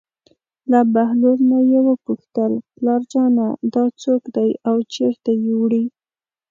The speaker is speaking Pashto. له بهلول نه یې وپوښتل: پلارجانه دا څوک دی او چېرته یې وړي.